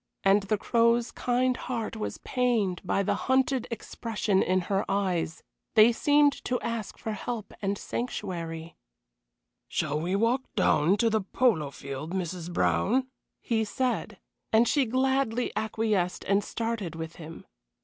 And the Crow's kind heart was pained by the hunted expression in her eyes. They seemed to ask for help and sanctuary. "Shall we walk down to the polo field, Mrs. Brown?" he said, and she gladly acquiesced and started with him.